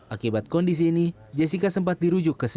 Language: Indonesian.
akibat kondisi ini jessica sempat dirujuk ke sekolah